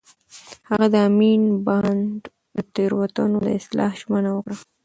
هغه د امین بانډ د تېروتنو د اصلاح ژمنه وکړه.